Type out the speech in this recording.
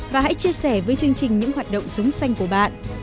và hãy chia sẻ với chương trình những hoạt động súng xanh của bạn